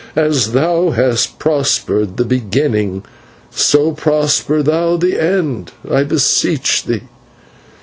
As thou hast prospered the beginning, so prosper thou the end, I beseech thee."